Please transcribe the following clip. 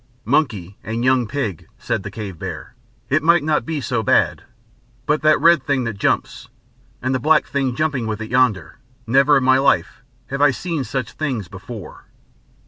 "Monkey and young pig," said the cave bear. "It might not be so bad. But that red thing that jumps, and the black thing jumping with it yonder! Never in my life have I seen such things before!"